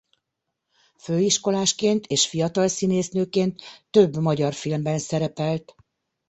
Főiskolásként és fiatal színésznőként több magyar filmben szerepelt.